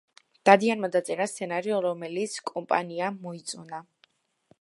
დადიანმა დაწერა სცენარი, რომელიც კომპანიამ მოიწონა.